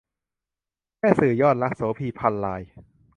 แม่สื่อยอดรัก - โสภี พรรณราย